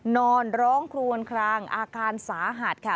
นอนร้องครวนคลางอาการสาหัสค่ะ